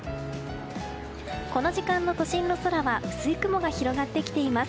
この時間の都心の空は薄い雲が広がってきています。